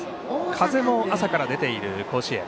風も朝から出ている甲子園。